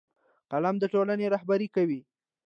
قلم د ټولنې رهبري کوي